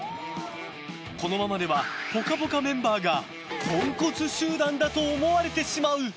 このままでは「ぽかぽか」メンバーがポンコツ集団だと思われてしまう。